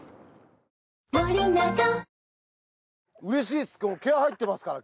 うれしいです